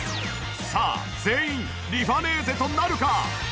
さあ全員リファネーゼとなるか？